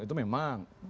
itu memang ada